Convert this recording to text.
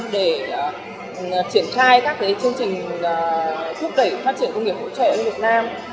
để triển thai các chương trình thúc đẩy phát triển công nghiệp hỗ trợ ở việt nam